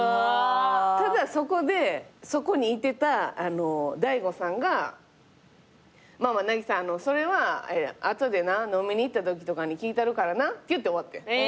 ただそこでそこにいてた大悟さんが「まあまあ渚それは後で飲みに行ったときとかに聞いたるからな」って言って終わってん。